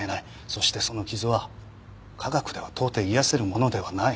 そしてその傷は科学では到底癒やせるものではない。